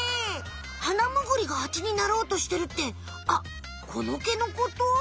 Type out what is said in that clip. ハナムグリがハチになろうとしてるってあっこの毛のこと？